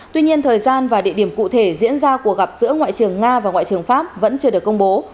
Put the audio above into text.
tuy nhiên thời gian và địa điểm cụ thể diễn ra cuộc gặp giữa ngoại trưởng nga và ngoại trưởng pháp vẫn chưa được công bố